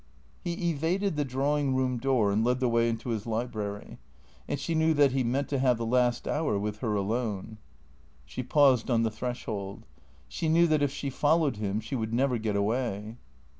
He evaded the drawing room door and led the way into his library; and she knew that he meant to have the last hour with her alone. She paused on the threshold. She knew that if she followed him she would never get away.